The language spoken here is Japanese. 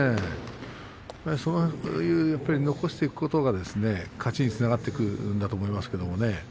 そういう残していくことが勝ちにつながってくるんだと思いますけどね。